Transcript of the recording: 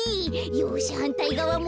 よしはんたいがわも。